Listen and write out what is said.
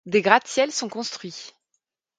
Des gratte-ciel sont construits.